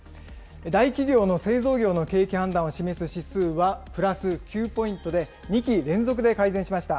大企業の製造業の景気判断を示す指数はプラス９ポイントで、２期連続で改善しました。